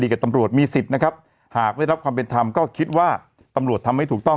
กับตำรวจมีสิทธิ์นะครับหากได้รับความเป็นธรรมก็คิดว่าตำรวจทำให้ถูกต้อง